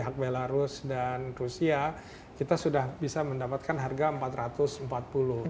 pihak belarus dan rusia kita sudah bisa mendapatkan harga empat ratus empat puluh dolar